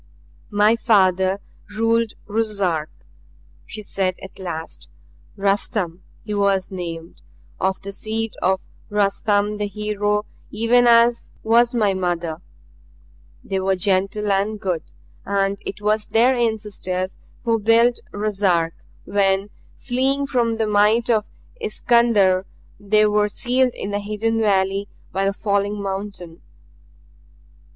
"My father ruled Ruszark," she said at last. "Rustum he was named, of the seed of Rustum the Hero even as was my mother. They were gentle and good, and it was their ancestors who built Ruszark when, fleeing from the might of Iskander, they were sealed in the hidden valley by the falling mountain.